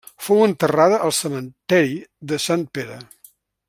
Fou enterrada al cementeri de Sant Pere.